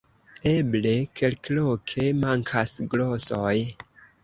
Eble, kelkloke mankas glosoj.